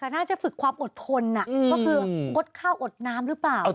แต่น่าจะฝึกความอดทนก็คืองดข้าวอดน้ำหรือเปล่า